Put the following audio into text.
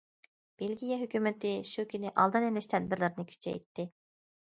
بېلگىيە ھۆكۈمىتى شۇ كۈنى ئالدىنى ئېلىش تەدبىرلىرىنى كۈچەيتتى.